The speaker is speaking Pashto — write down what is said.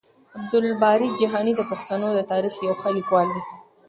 عبدالباري جهاني د پښتنو د تاريخ يو ښه ليکوال دی.